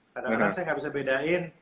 kadang kadang saya nggak bisa bedain